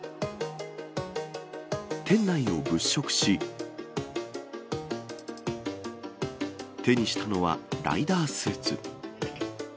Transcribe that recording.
店内を物色し、手にしたのは、ライダースーツ。